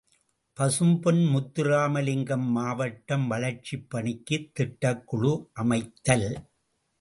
● பசும்பொன் முத்துராமலிங்கம் மாவட்டம் வளர்ச்சிப் பணிக்குத் திட்டக்குழு அமைத்தல்.